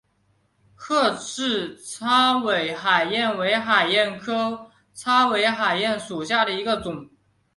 褐翅叉尾海燕为海燕科叉尾海燕属下的一个种。